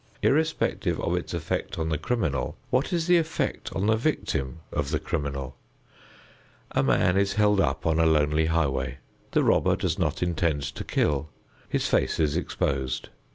Irrespective of its effect on the criminal, what is the effect on the victim of the criminal? A man is held up on a lonely highway; the robber does not intend to kill. His face is exposed.